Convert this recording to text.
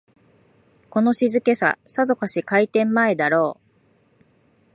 この静けさ、さぞかし開店前だろう